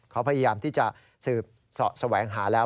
เขาพยายามที่จะสวัสดิ์หาแล้ว